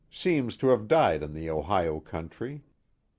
M seems to have died in the Ohio country.